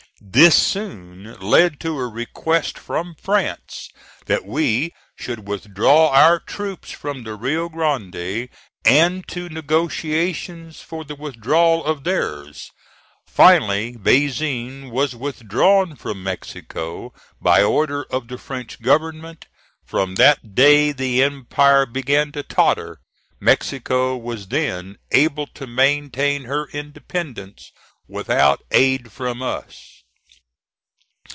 This soon led to a request from France that we should withdraw our troops from the Rio Grande and to negotiations for the withdrawal of theirs. Finally Bazaine was withdrawn from Mexico by order of the French Government. From that day the empire began to totter. Mexico was then able to maintain her independence without aid from us.